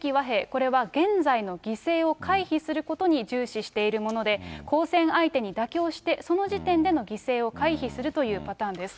これは現在の犠牲を回避することに重視しているもので、交戦相手に妥協して、その時点での犠牲を回避するというパターンです。